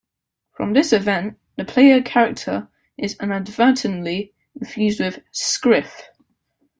From this event, the player character is inadvertently infused with "scriff".